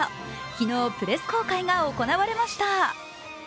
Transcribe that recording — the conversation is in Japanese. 昨日プレス公開が行われました。